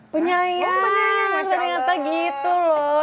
punya yang sering kata gitu loh